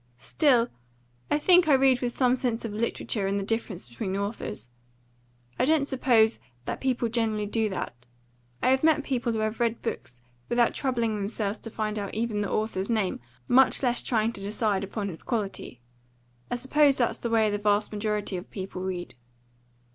Still I think I read with some sense of literature and the difference between authors. I don't suppose that people generally do that; I have met people who had read books without troubling themselves to find out even the author's name, much less trying to decide upon his quality. I suppose that's the way the vast majority of people read."